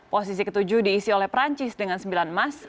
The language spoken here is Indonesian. posisi ke tujuh diisi oleh perancis dengan sembilan emas